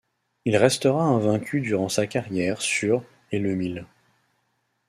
Il restera invaincu durant sa carrière sur et le mile.